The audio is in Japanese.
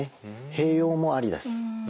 併用もありです。